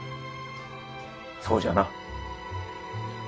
そうじゃな。